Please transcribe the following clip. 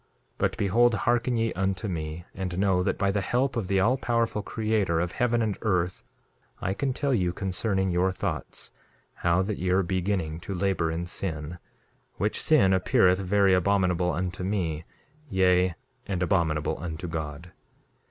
2:5 But behold, hearken ye unto me, and know that by the help of the all powerful Creator of heaven and earth I can tell you concerning your thoughts, how that ye are beginning to labor in sin, which sin appeareth very abominable unto me, yea, and abominable unto God.